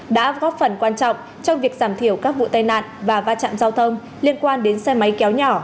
đã góp phần quan trọng trong việc giảm thiểu các vụ tai nạn và va chạm giao thông liên quan đến xe máy kéo nhỏ